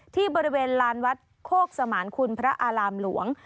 ที่บริเวณลานวัดโคกสมานคุณพระอารามหลวง